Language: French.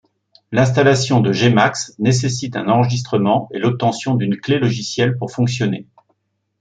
L'installation de Gmax nécessite un enregistrement et l'obtention d'une clé logicielle pour fonctionner.